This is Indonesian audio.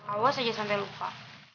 awas aja sampe lupa